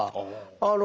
ああ。